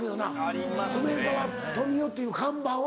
・ありますね・梅沢富美男っていう看板は。